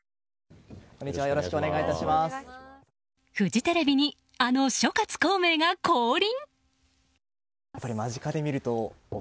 フジテレビにあの諸葛孔明が降臨？